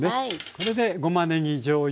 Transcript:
これでごまねぎじょうゆ